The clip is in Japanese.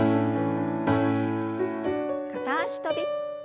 片脚跳び。